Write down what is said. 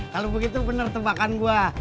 kalau begitu bener tembakan gue